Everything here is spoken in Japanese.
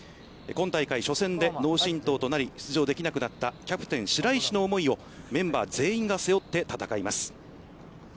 今大会初戦で脳震とうとなり出場できなくなったキャプテン白石の思いをメンバー全員が背負って戦います。